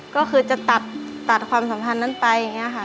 ก็คือจะตัดความสัมพันธ์นั้นไปอย่างนี้ค่ะ